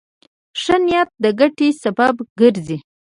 ښه نیت د ګټې سبب ګرځي.